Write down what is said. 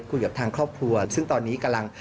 คุยกับทางครอบครัวซึ่งตอนนี้กำลัง